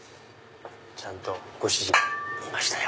ちゃんとご主人いましたよ。